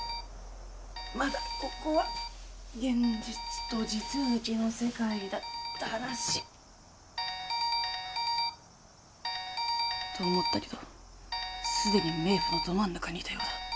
まだここは現実と地続きの世界だったらしいと思ったけどすでに冥府のど真ん中にいたようだ